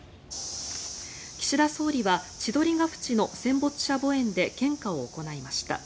岸田総理は千鳥ヶ淵の戦没者墓苑で献花を行いました。